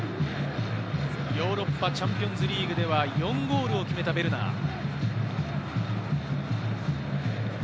ヨーロッパチャンピオンズリーグでは４ゴールを決めたベルナー。